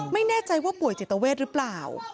ไม่แน่ใจว่าป่วยจิตเวทหรือเปล่า